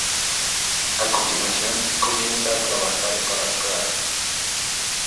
A continuación comienza a trabajar para Prada.